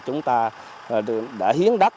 chúng ta đã hiến đất